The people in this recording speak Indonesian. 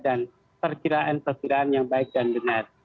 dan perkiraan perkiraan yang baik dan benar